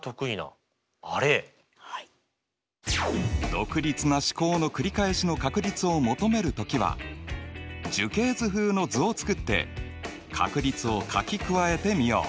独立な試行の繰り返しの確率を求める時は樹形図風の図を作って確率を書き加えてみよう。